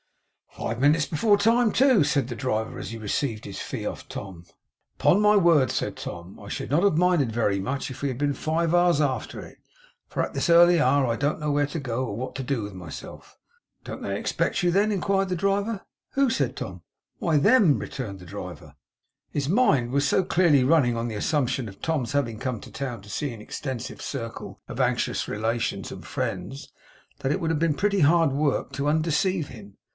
'Five minutes before the time, too!' said the driver, as he received his fee of Tom. 'Upon my word,' said Tom, 'I should not have minded very much, if we had been five hours after it; for at this early hour I don't know where to go, or what to do with myself.' 'Don't they expect you then?' inquired the driver. 'Who?' said Tom. 'Why them,' returned the driver. His mind was so clearly running on the assumption of Tom's having come to town to see an extensive circle of anxious relations and friends, that it would have been pretty hard work to undeceive him.